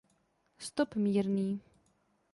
Stop mírný.